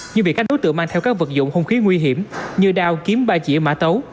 nhưng bị các đối tượng mang theo các vật dụng hung khí nguy hiểm như đao kiếm ba chỉa mã tấu